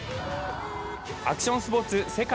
アクションスポーツ世界